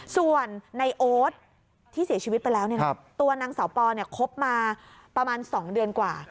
ส่วนในโอ๊ตที่เสียชีวิตไปแล้วตัวนางสาวปอคบมาประมาณ๒เดือนกว่า